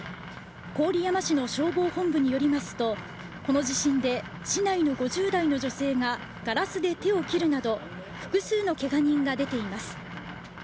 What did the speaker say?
郡山市の消防本部によりますとこの地震で市内の５０代の女性がガラスで手を切るなど複数のけが人が出ています。